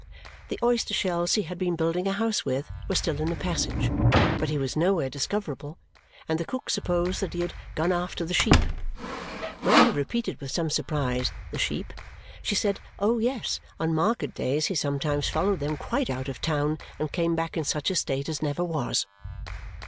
The oyster shells he had been building a house with were still in the passage, but he was nowhere discoverable, and the cook supposed that he had "gone after the sheep." When we repeated, with some surprise, "The sheep?" she said, Oh, yes, on market days he sometimes followed them quite out of town and came back in such a state as never was!